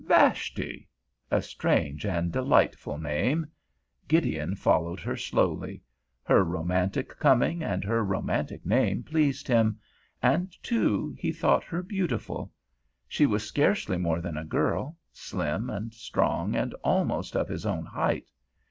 "Vashti"—a strange and delightful name. Gideon followed her slowly. Her romantic coming and her romantic name pleased him; and, too, he thought her beautiful. She was scarcely more than a girl, slim and strong and almost of his own height.